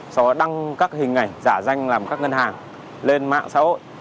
sau đó đăng các hình ảnh giả danh làm các ngân hàng lên mạng xã hội